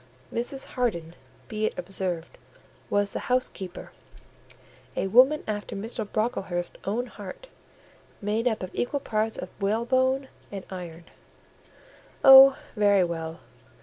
Mrs. Harden, be it observed, was the housekeeper: a woman after Mr. Brocklehurst's own heart, made up of equal parts of whalebone and iron. "Oh, very well!"